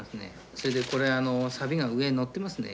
それでこれ錆が上へのってますね。